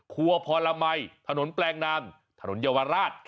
ครัวพรมัยถนนแปลงนามถนนเยาวราช